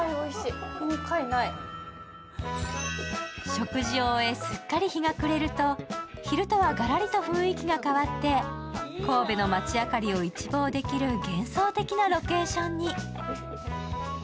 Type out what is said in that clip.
食事を終えすっかり日が暮れると昼とはガラリと雰囲気が変わって神戸の街明かりを一望できる幻想的なロケーションに。